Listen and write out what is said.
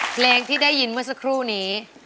เพลงที่ได้ยินเมื่อสักครู่นี้